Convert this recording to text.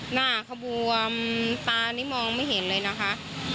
หน้าขบวมตานี่มองไม่เห็นเลยนะคะ